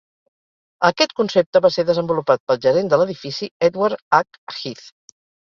Aquest concepte va ser desenvolupat pel gerent de l'edifici Edward H. Heath.